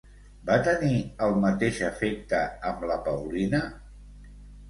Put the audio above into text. Va tenir el mateix efecte amb la Paulina?